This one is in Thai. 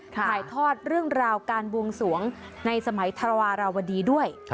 ถ่ายทอดเรื่องราวการบวงสวงในสมัยธรวาราวดีด้วย